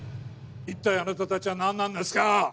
一体あなたたちは何なんですか